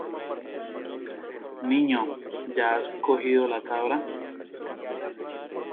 Niño, ¿ya has cogido la cabra?